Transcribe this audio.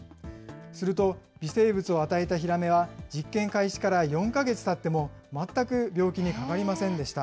すると、微生物を与えたヒラメは、実験開始から４か月たっても、全く病気にかかりませんでした。